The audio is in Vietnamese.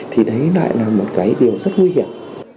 thì đấy lại là một cái điều rất nguy hiểm